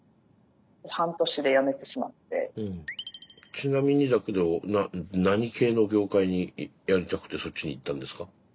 ちなみにだけど何系の業界にやりたくてそっちに行ったんですか？